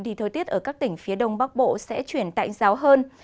thì thời tiết ở các tỉnh phía đông bắc bộ sẽ chuyển tạnh giáo hơn